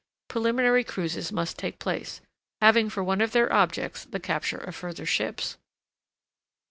Preliminary cruises must take place, having for one of their objects the capture of further ships.